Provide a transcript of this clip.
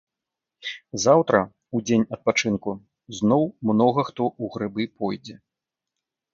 Заўтра, у дзень адпачынку, зноў многа хто ў грыбы пойдзе.